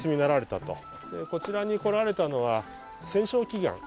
こちらに来られたのは戦勝祈願。